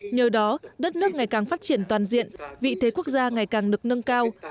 nhờ đó đất nước ngày càng phát triển toàn diện vị thế quốc gia ngày càng được nâng cao